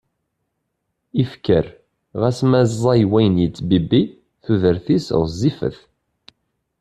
Ifker, ɣas ma ẓẓay wayen yettbibbi, tudert-is ɣezzifet.